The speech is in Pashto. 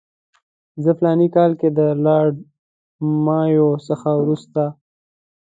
زه په فلاني کال کې د لارډ مایو څخه وروسته.